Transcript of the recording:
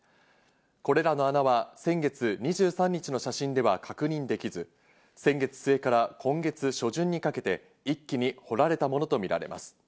これらの穴は先月２３日の写真では確認できず、先月末から今月初旬にかけて一気に掘られたものとみられます。